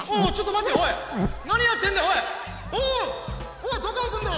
おいどこいくんだ！